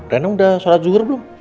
rena udah sholat zuhur blom